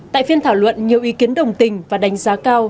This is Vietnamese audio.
tại phiên thảo luận nhiều ý kiến đồng tình và đánh giá cao